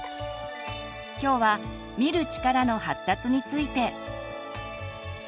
今日は「見る力」の発達について。